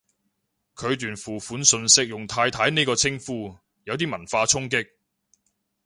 佢段付款訊息用太太呢個稱呼，有啲文化衝擊